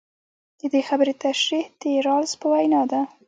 د دې خبرې تشرېح د رالز په وینا ده.